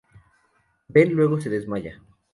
Ben luego se desmaya.